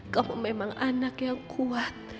kau memang anak yang kuat